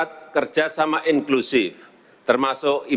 terima kasih telah